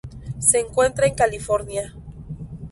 Se encuentra en California.